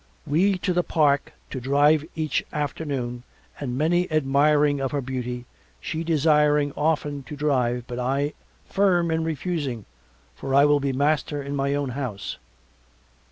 We to the park to drive each afternoon and many admiring of her beauty, she desiring often to drive but I firm in refusing for I will be master in my own house.